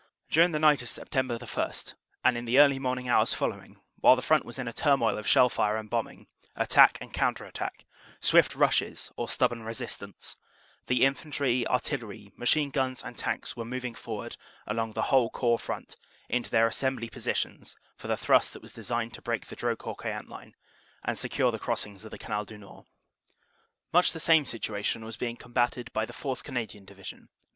"During the night of Sept. 1 and in the early morning hours following, while the front was in a turmoil of shell fire and bombing, attack and counter attack, swift rushes or stubborn resistance, the infantry, artillery, machine guns and tanks were moving forward along the whole Corps front into their assenv bly positions for the thrust that was designed to break the Dro court Queant line and secure the crossings of the Canal du Nord." Much the same situation was being combatted by the 4th. Canadian Division, Maj.